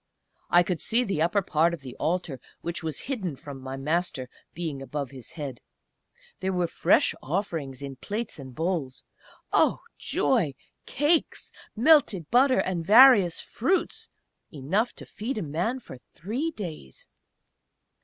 I could see the upper part of the altar which was hidden from my Master, being above his head. There were fresh offerings in plates and bowls Oh! joy! Cakes, melted butter, and various fruits enough to feed a man for three days!